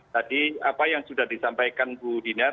tadi apa yang sudah disampaikan bu dinar